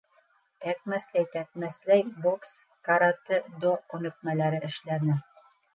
Тәкмәсләй-тәкмәсләй бокс, каратэ-до күнекмәләре эшләне.